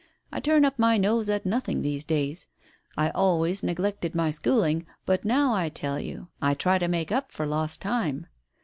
I turn up my nose at nothing these days. I always neglected my schooling, but now I tell you I try to make up for lost time.